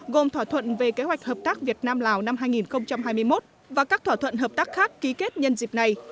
gồm thỏa thuận về kế hoạch hợp tác việt nam lào năm hai nghìn hai mươi một và các thỏa thuận hợp tác khác ký kết nhân dịp này